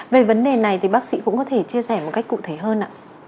về vấn đề này thì bác sĩ cũng có thể chia sẻ một cách cụ thể hơn ạ